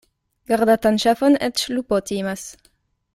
Gardatan ŝafon eĉ lupo timas.